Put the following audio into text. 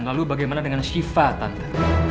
lalu bagaimana dengan shifa tante